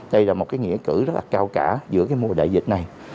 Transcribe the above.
đây là một nghĩa cử rất cao cả giữa mùa đại dịch này